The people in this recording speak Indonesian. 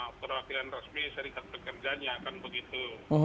nah perwakilan resmi serikat pekerjanya akan begitu